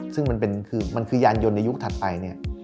ซึ่งมันคือยานยนต์ในยุคถัดไปเนี่ย